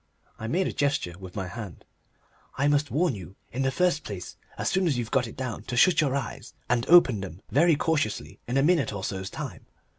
I made a gesture with my hand. "I must warn you in the first place as soon as you've got it down to shut your eyes, and open them very cautiously in a minute or so's time.